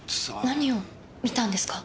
何を見たんですか？